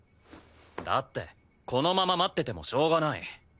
だってこのまま待っててもしょうがない。